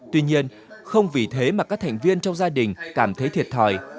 tuy nhiên không vì thế mà các thành viên trong gia đình cảm thấy thiệt thòi